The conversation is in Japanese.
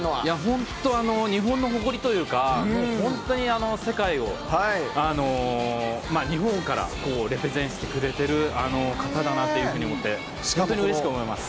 本当、日本の誇りというか、もう本当に、世界を、日本からしてくれてる方だなというふうに思って、本当にうれしく思います。